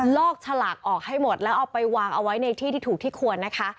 ลอกฉลากออกให้หมดแล้วเอาไปวางเอาไว้ในที่ที่ถูกที่ควรนะคะ